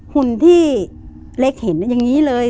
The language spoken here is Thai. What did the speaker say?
หุ่นที่เล็กเห็นอย่างนี้เลย